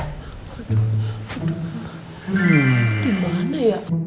tuh mah ini ya